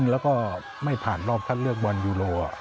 แล้วก็ไม่ผ่านรอบคัดเลือกบอลยูโร